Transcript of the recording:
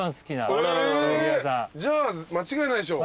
じゃあ間違いないでしょ。